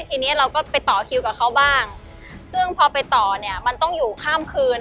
ทีนี้เราก็ไปต่อคิวกับเขาบ้างซึ่งพอไปต่อเนี่ยมันต้องอยู่ข้ามคืน